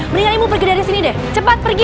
mendingan ibu pergi dari sini deh cepat pergi